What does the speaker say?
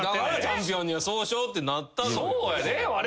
「チャンピオンにはそうしよう」ってなったのよ。